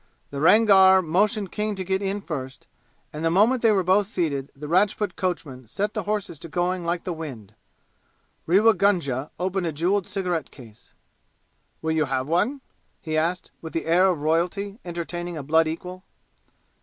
The Rangar motioned King to get in first, and the moment they were both seated the Rajput coachman set the horses to going like the wind. Rewa Gunga opened a jeweled cigarette case. "Will you have one?" he asked with the air of royalty entertaining a blood equal.